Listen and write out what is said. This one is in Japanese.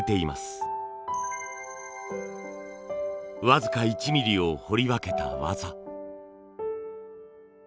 僅か１ミリを彫り分けた技。